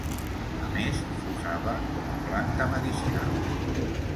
A més s'usava com a planta medicinal.